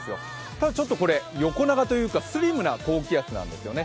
ただ、これ、横長というかスリムな高気圧なんですよね。